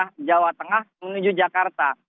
dari jawa tengah menuju jakarta